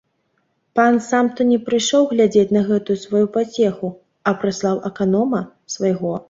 Пан сам то не прыйшоў глядзець на гэтую сваю пацеху, а прыслаў аконама свайго.